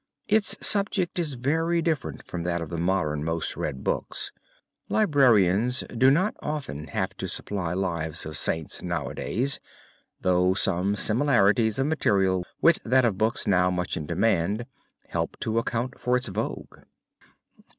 Its subject is very different from that of the modern most read books; librarians do not often have to supply lives of Saints nowadays, though some similarities of material with that of books now much in demand help to account for its vogue.